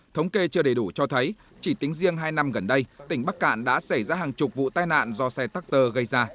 thống kê chưa đầy đủ cho thấy chỉ tính riêng hai năm gần đây tỉnh bắc cạn đã xảy ra hàng chục vụ tai nạn do xe tắc tơ gây ra